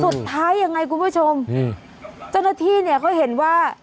สุดท้ายยังไงคุณผู้ชมเจ้าหน้าที่เนี่ยเขาเห็นว่า